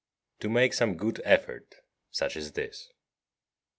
To make some good effort such as this.